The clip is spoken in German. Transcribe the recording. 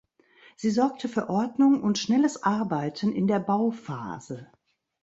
Sie sorgte für Ordnung und schnelles Arbeiten in der Bauphase.